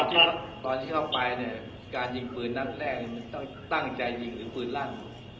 ที่ตอนที่เข้าไปเนี่ยการยิงปืนนัดแรกตั้งใจยิงหรือปืนลั่น